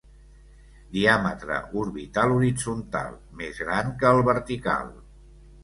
Diàmetre orbital horitzontal més gran que el vertical.